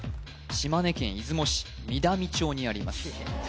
島根県出雲市美談町にあります